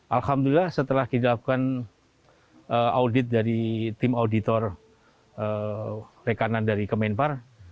alhamdulillah setelah kita lakukan audit dari tim auditor rekanan dari kemenpar